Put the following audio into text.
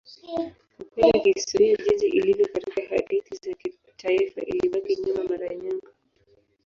Ukweli wa kihistoria jinsi ilivyo katika hadithi za kitaifa ilibaki nyuma mara nyingi.